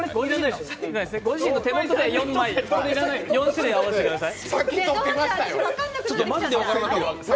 ご自身の手元で４種類合わせてください。